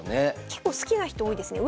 結構好きな人多いですね。